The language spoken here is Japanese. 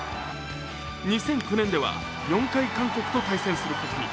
２００９年では４回、韓国と対戦することに。